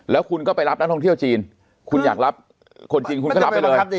แล้วคุณก็ไปรับนักท่องเที่ยวจีนคุณอยากรับคนจีนคุณก็รับไปเลย